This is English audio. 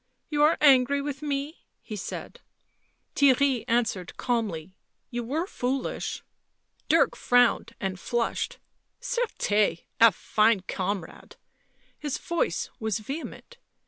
" You are angry with me," he said. Theirry answered calmly. "You were foolish." Dirk frowned and flushed. " Certes !— a fine comrade!" his voice was vehement.